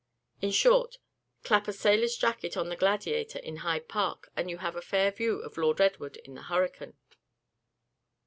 In short, clap a sailor's jacket on the Gladiator in Hyde park, and you have a fair view of Lord Edward in the hurricane.